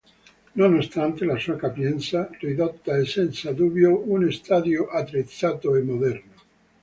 Nonostante la sua capienza ridotta è senza dubbio uno stadio attrezzato e moderno.